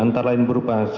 antara lain berupa